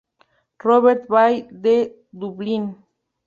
Robert Ball de Dublín.